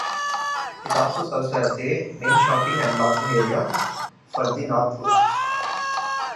It also serves as a main shopping and lodging area for the Northwoods.